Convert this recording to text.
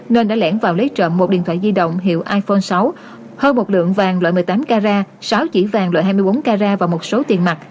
nên đã lẻn vào lấy trộm một điện thoại di động hiệu iphone sáu hơn một lượng vàng loại một mươi tám carat sáu chỉ vàng loại hai mươi bốn carat và một số tiền mặt